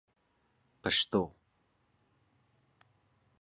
پشتو